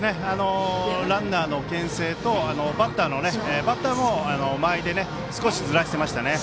ランナーのけん制とバッターも間合いで少しずらしていましたね。